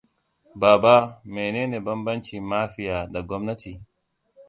Baba mene ne banbanci mafia da gwamnati?